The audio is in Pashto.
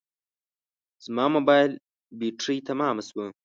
زما موبایل بټري تمامه شوه